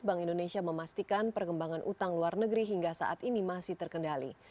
bank indonesia memastikan perkembangan utang luar negeri hingga saat ini masih terkendali